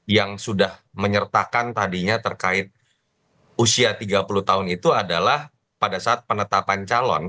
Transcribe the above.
yang sudah menyertakan tadinya terkait usia tiga puluh tahun itu adalah pada saat penetapan calon